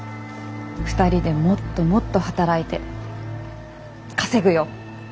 ２人でもっともっと働いて稼ぐよ！